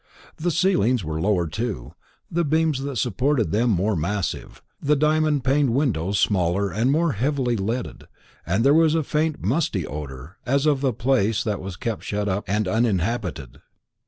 The ceilings were lower too, the beams that supported them more massive, the diamond paned windows smaller and more heavily leaded, and there was a faint musty odour as of a place that was kept shut up and uninhabited.